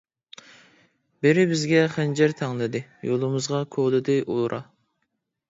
بىرى بىزگە خەنجەر تەڭلىدى، يولىمىزغا كولىدى ئورا.